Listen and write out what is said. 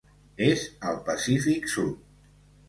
És al Pacífic Sud.